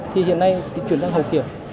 thì hiện nay chuyển sang hậu kiểm